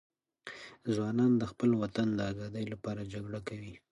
ځوانان د خپل وطن د آزادۍ لپاره جګړه کوي.